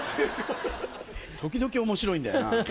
時々面白いんだよな。